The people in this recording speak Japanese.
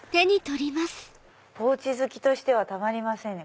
ポーチ好きとしてはたまりませんね。